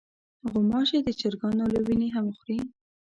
غوماشې د چرګانو له وینې هم خوري.